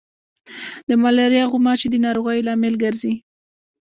د ملاریا غوماشي د ناروغیو لامل ګرځي.